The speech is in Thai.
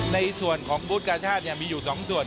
ในส่วนของบูธกาชาติมีอยู่๒ส่วน